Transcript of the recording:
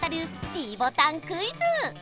ｄボタンクイズ